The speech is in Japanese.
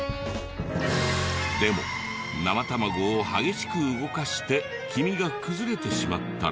でも生卵を激しく動かして黄身が崩れてしまったら。